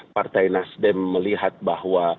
partai nasdem melihat bahwa